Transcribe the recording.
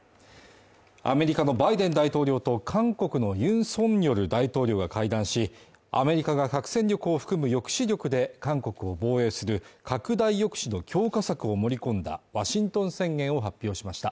アメリカのバイデン大統領と韓国のユン・ソンニョル大統領が会談し、アメリカが核戦力を含む抑止力で韓国を防衛する拡大抑止の強化策を盛り込んだワシントン宣言を発表しました。